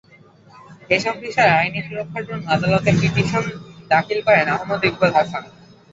এসব বিষয়ে আইনি সুরক্ষার জন্য আদালতে পিটিশন দাখিল করেন আহমেদ ইকবাল হাসান।